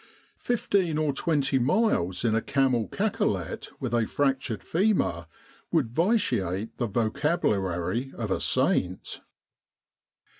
Fifteen or twenty miles in a camel cacolet with a fractured femur would vitiate the vocabulary of a saint.